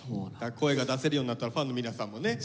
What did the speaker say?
声が出せるようになったらファンの皆さんもね